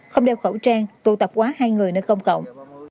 không đeo khẩu trang tụ tập quá hai người nơi công cộng